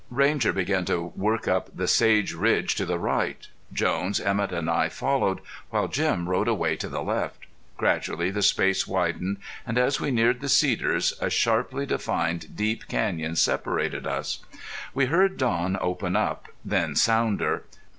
Ranger began to work up the sage ridge to the right. Jones, Emett and I followed, while Jim rode away to the left. Gradually the space widened, and as we neared the cedars, a sharply defined, deep canyon separated us. We heard Don open up, then Sounder.